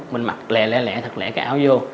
mình mặc lẹ lẹ lẹ thật lẹ cái áo vô